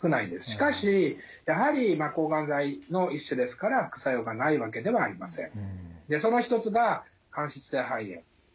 しかしやはり抗がん剤の一種ですから副作用がないわけではありません。